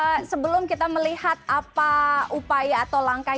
baik sebelum kita melihat apa upaya atau langkah